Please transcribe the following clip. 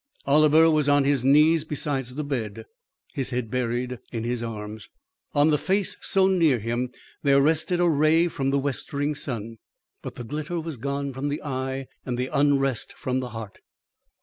Oliver was on his knees beside the bed, his head buried in his arms. On the face so near him there rested a ray from the westering sun; but the glitter was gone from the eye and the unrest from the heart.